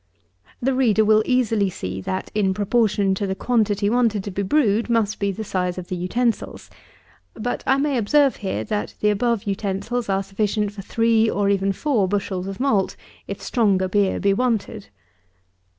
61. The reader will easily see, that, in proportion to the quantity wanted to be brewed must be the size of the utensils; but, I may observe here, that the above utensils are sufficient for three, or even four, bushels of malt, if stronger beer be wanted.